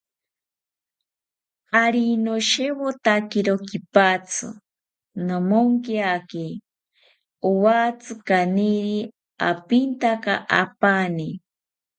Ari noshewotakiro kipatzi, nomonkiaki owatzi kaniri apintaka apani